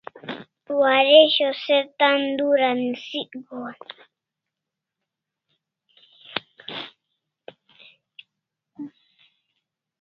Waresho se tan dura nisik gohan